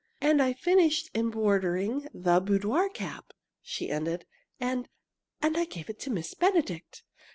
"And I finished embroidering the boudoir cap," she ended, "and and I gave it to Miss Benedict."